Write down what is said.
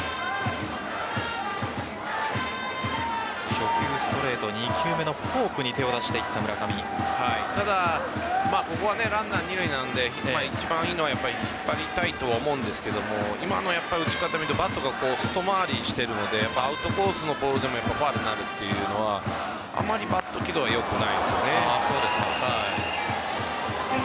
初球、ストレート２球目のフォークにただ、ここはランナー二塁なので一番良いのは引っ張りたいとは思うんですが今の打ち方を見るとバットが外回りしているのでアウトコースのボールでもファウルになるというのはあまりバット軌道良くないですよね。